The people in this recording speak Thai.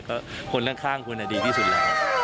เพราะคนข้างคุณอันนี้ดีที่สุดเลย